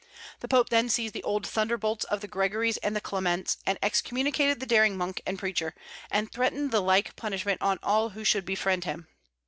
The Pope then seized the old thunderbolts of the Gregories and the Clements, and excommunicated the daring monk and preacher, and threatened the like punishment on all who should befriend him.